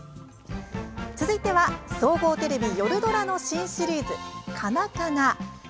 続いては、総合テレビ夜ドラの新シリーズ「カナカナ」。